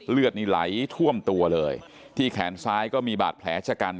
เลือดนี่ไหลท่วมตัวเลยที่แขนซ้ายก็มีบาดแผลชะกัน